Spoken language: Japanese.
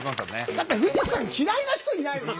だって富士山嫌いな人いないでしょ。